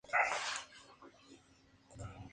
Cuenta con una escuela, y una delegación policial.